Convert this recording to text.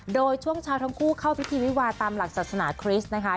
โดยช่วงเช้าทั้งคู่เข้าพิธีวิวาตามหลักศาสนาคริสต์นะคะ